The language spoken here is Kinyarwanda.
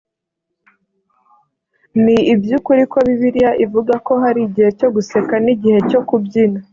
ni iby ukuri ko bibiliya ivuga ko hari igihe cyo guseka ni igihe cyo kubyina